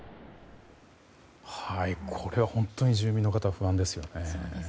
これは本当に住民の方不安ですよね。